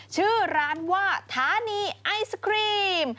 ชื่อร้านว่าธานีไอศครีม